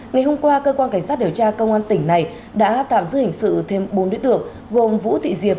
ngày hôm qua cơ quan cảnh sát điều tra công an tỉnh này đã tạm giữ hình sự thêm bốn đối tượng gồm vũ thị diệp